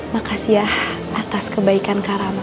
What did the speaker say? makasih ya atas kebaikan kak rama